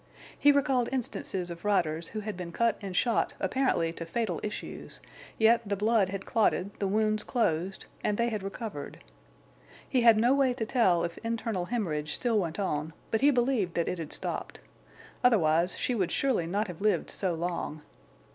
He recalled instances of riders who had been cut and shot apparently to fatal issues; yet the blood had clotted, the wounds closed, and they had recovered. He had no way to tell if internal hemorrhage still went on, but he believed that it had stopped. Otherwise she would surely not have lived so long.